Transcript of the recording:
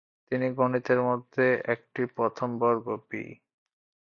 তিনি গণিত মধ্যে একটি প্রথম বর্গ বি।